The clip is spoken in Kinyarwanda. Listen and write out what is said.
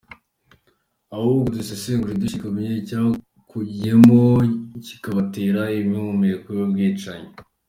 Ahubwo dusesengure dushikamye icyabakukiyemo kikabatera imhumeko y’ubwicanyi.